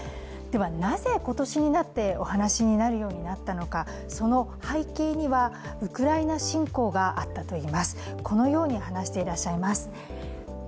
なぜ今年になってお話しになるようになったのか、その背景には、ウクライナ侵攻があったといいます。